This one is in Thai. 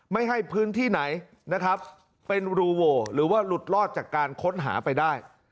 ไม่ให้พื้นที่ไหนนะครับเป็นรูโหวหรือว่าหลุดรอดจากการค้นหาไปได้